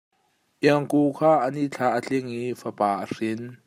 Iangku kha a nithla a tling i fapa a hrin.